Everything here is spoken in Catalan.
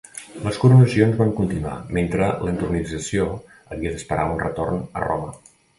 Les coronacions van continuar, mentre l'entronització havia d'esperar un retorn a Roma.